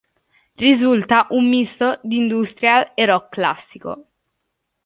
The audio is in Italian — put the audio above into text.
Risulta un misto di industrial e rock classico.